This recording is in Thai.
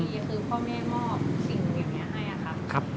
ที่พ่อแม่มอบสิ่งอย่างนี้ให้อ่ะครับ